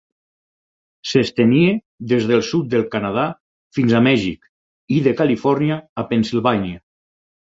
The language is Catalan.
S'estenia des del sud del Canadà fins a Mèxic i de Califòrnia a Pennsilvània.